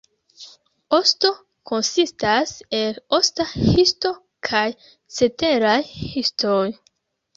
Osto konsistas el osta histo kaj ceteraj histoj.